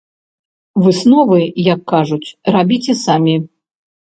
Высновы, як кажуць, рабіце самі.